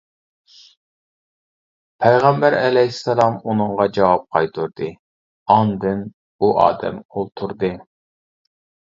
پەيغەمبەر ئەلەيھىسسالام ئۇنىڭغا جاۋاب قايتۇردى، ئاندىن ئۇ ئادەم ئولتۇردى.